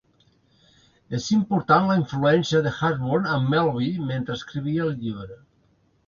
És important la influència de Hawthorne en Melville mentre escrivia el llibre.